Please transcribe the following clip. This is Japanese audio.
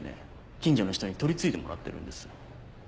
近所の人に取り次いでもらってるんです。